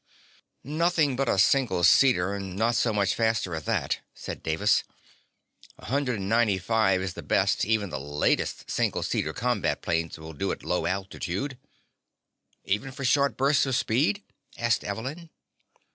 "Nothing but a single seater, and not so much faster at that," said Davis. "A hundred and ninety five is the best even the latest single seater combat planes will do at a low altitude." "Even for a short burst of speed?" asked Evelyn.